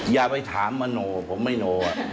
อย่าไปถามมาโหน่ผมไม่โหน่